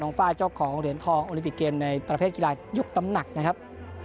น้องฝ้าเจ้าของเหรียญทองโอลิบิตเกมส์ในประเภทกีฬายุคตำหนักนะครับ